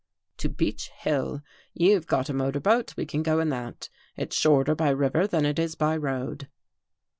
" To Beech Hill. You've got a motor boat. We can go in that. It's shorter by river than it is by road."